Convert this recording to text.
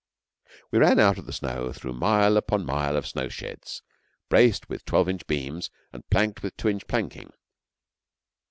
We ran out of the snow through mile upon mile of snow sheds, braced with twelve inch beams, and planked with two inch planking.